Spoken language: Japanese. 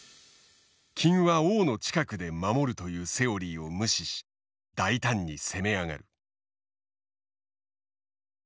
金は王の近くで守るというセオリーを無視し大胆に攻め上がる。